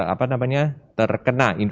apa namanya terkena